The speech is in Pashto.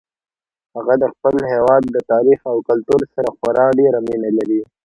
هغه د خپل هیواد د تاریخ او کلتور سره خورا ډیره مینه لري